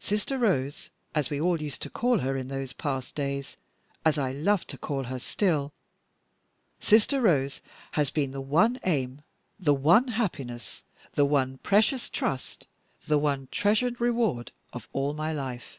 Sister Rose as we all used to call her in those past days, as I love to call her still Sister Rose has been the one aim, the one happiness, the one precious trust, the one treasured reward, of all my life.